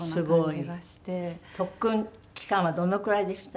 特訓期間はどのくらいでした？